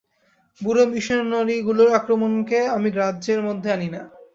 বুড়ো মিশনরীগুলোর আক্রমণকে আমি গ্রাহ্যের মধ্যে আনি না।